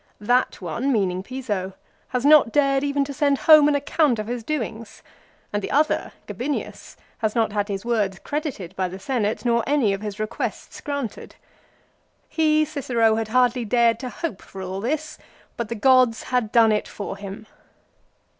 That one, meaning Piso, has not dared even to send home an account of his doings ; and the other, Gabinius, has not had his words credited by the Senate, nor any of his requests granted I He, Cicero, CICERO, ^TAT. 52, 53, AND 54. 47 had hardly dared to hope for all this, but the gods had done it for him